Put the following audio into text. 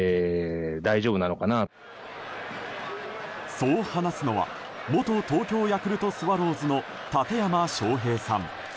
そう話すのは元東京ヤクルトスワローズの館山昌平さん。